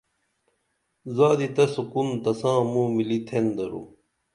زادی تہ سُکُون تساں موں ملی تھین درو